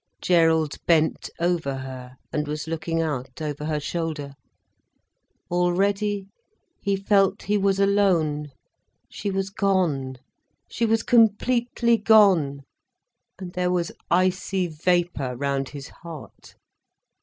Gerald bent above her and was looking out over her shoulder. Already he felt he was alone. She was gone. She was completely gone, and there was icy vapour round his heart.